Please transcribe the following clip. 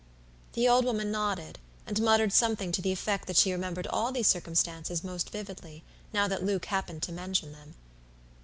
The old woman nodded, and muttered something to the effect that she remembered all these circumstances most vividly, now that Luke happened to mention them.